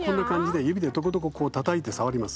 指でトコトコたたいて触ります。